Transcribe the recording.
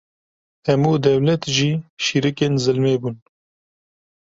hemû dewlet jî şîrêkên zilmê bûn